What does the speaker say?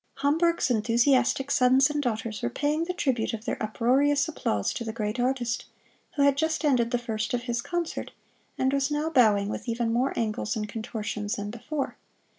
Hamburg's enthusiastic sons and daughters were paying the tribute of their uproarious applause to the great artist, who had just ended the first of his concert, and was now bowing with even more angles and contortions than before.